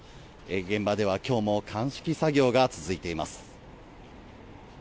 現場では今日も鑑識作業が続いています。